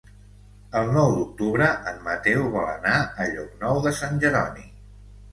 El nou d'octubre en Mateu vol anar a Llocnou de Sant Jeroni.